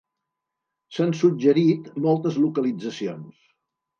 S'han suggerit moltes localitzacions.